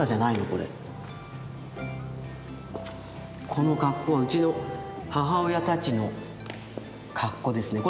この格好はうちの母親たちの格好ですね。